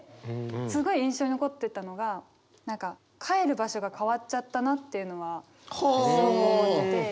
すごい印象に残ってたのが帰る場所が変わっちゃったなっていうのはすごく思ってて。